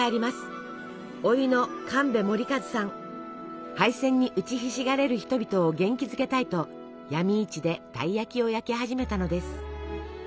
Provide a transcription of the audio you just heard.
おいの敗戦に打ちひしがれる人々を元気づけたいと闇市でたい焼きを焼き始めたのです。